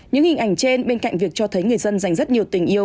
những hình ảnh trên bên cạnh việc cho thấy người dân dành rất nhiều tình yêu